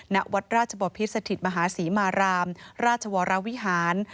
ณวัดราชบพิษสถิตมหาศรีมารามราชวรวิหาร